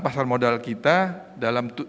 pasar modal kita dalam